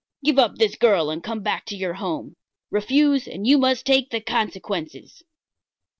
Give up this girl and come back to your home. Refuse, and you must take the consequences."